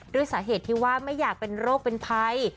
ด้วยสาเหตุที่ว่าไม่อยากเป็นโรคเป็นภัย